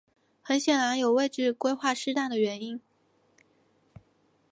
很显然有位置规划失当的问题。